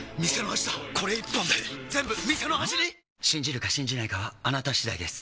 信じるか信じないかはあなた次第です